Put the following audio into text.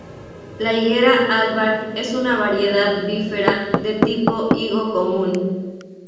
La higuera 'Albar' es una variedad "bífera" de tipo higo común.